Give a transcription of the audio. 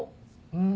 うん。